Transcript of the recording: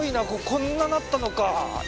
こんななったのか。